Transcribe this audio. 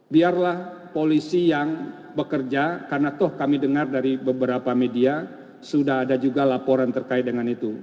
biarlah polisi yang bekerja karena toh kami dengar dari beberapa media sudah ada juga laporan terkait dengan itu